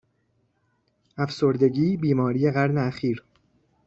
افسردگی بیماری قرن اخیر